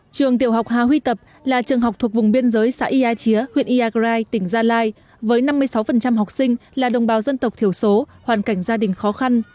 trường tiểu học hà huy tập là trường học thuộc vùng biên giới xã ia chía huyện iagrai tỉnh gia lai với năm mươi sáu học sinh là đồng bào dân tộc thiểu số hoàn cảnh gia đình khó khăn